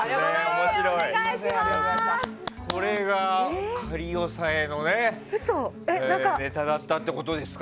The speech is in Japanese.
これが仮押さえのネタだったってことですか。